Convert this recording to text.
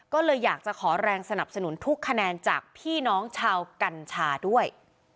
ก็เลยอยากจะขอแรงสนับสนุนทุกคะแนนจากพี่น้องชาวกัญชาด้วย